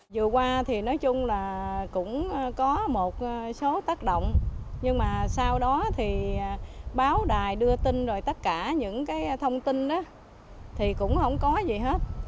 vừa qua thì nói chung là cũng có một số tác động nhưng mà sau đó thì báo đài đưa tin rồi tất cả những cái thông tin thì cũng không có gì hết